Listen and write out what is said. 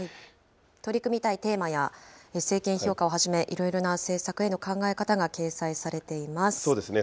取り組みたいテーマや政権評価をはじめ、いろいろな政策へのそうですね。